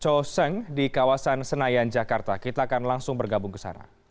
joe seng di kawasan senayan jakarta kita akan langsung bergabung kesana